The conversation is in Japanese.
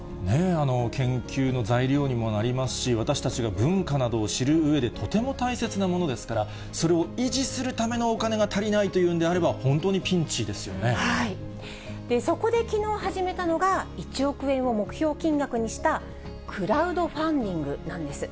研究の材料にもなりますし、私たちが文化などを知るうえでとても大切なものですから、それを維持するためのお金が足りないというんであれば、本当にピンチでそこできのう始めたのが、１億円を目標金額にしたクラウドファンディングなんです。